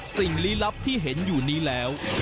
สิ่งลีลัพธ์ที่เห็นอยู่นี้แล้ว